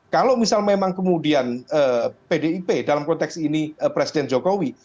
kalau misal memang kemudian pdip dalam konteks ini presiden jokowi